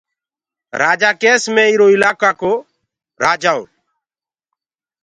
رآجآ ڪيس مي ايرو الآڪآئو رآجآئو